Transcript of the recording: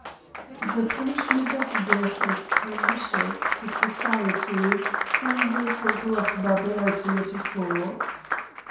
The punishment of death is pernicious to so ciety, from the example of barbarity it affords.